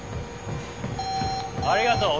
ありがとう。